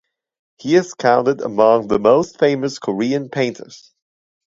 He is counted among the most famous Korean painters.